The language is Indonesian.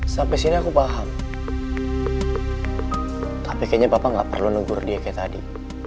tapi kayaknya papa gak perlu nunggur dia kayak tadi